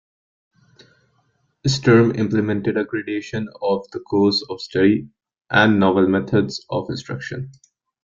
Sturm implemented a gradation of the course of study, and novel methods of instruction.